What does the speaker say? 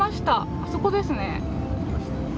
あそこですね。